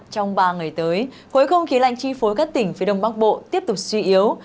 trong ba ngày tới khối không khí lạnh chi phối các tỉnh phía đông bắc bộ tiếp tục suy yếu